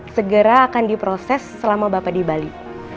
segera akan diproses selama bapak di bali